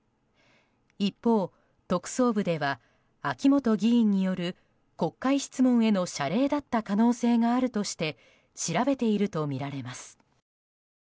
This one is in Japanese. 一方、特捜部では秋本議員による国会質問への謝礼だった可能性があるとして調べているとみられます。